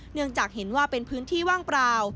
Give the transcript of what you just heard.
เนื่องจากเห็นว่าเป็นพื้นที่ว่างเปล่า